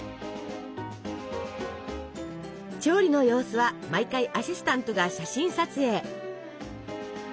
調理の様子は毎回アシスタントが写真撮影。